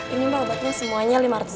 ini mbak obatnya semuanya lima ratus